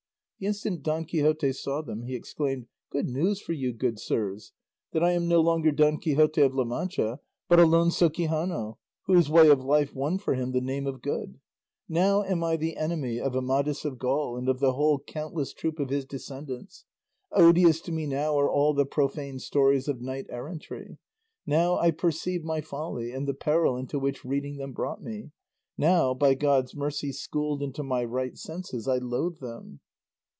The instant Don Quixote saw them he exclaimed, "Good news for you, good sirs, that I am no longer Don Quixote of La Mancha, but Alonso Quixano, whose way of life won for him the name of Good. Now am I the enemy of Amadis of Gaul and of the whole countless troop of his descendants; odious to me now are all the profane stories of knight errantry; now I perceive my folly, and the peril into which reading them brought me; now, by God's mercy schooled into my right senses, I loathe them."